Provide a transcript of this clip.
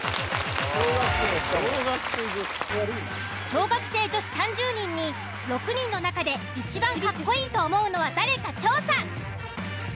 小学生女子３０人に６人の中で一番カッコいいと思うのは誰か調査。